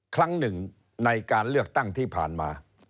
ครั้งหนึ่งในการเลือกตั้งที่ผ่านมา